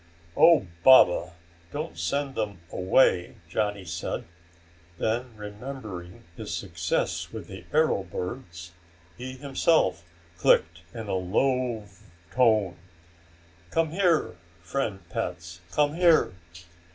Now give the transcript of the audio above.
"Oh, Baba, don't send them away," Johnny said. Then, remembering his success with the arrow birds, he himself clicked in a low tone, "Come here, friend pets. Come here."